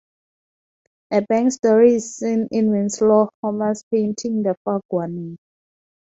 A Banks dory is seen in Winslow Homer's painting "The Fog Warning".